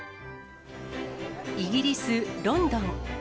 イギリス・ロンドン。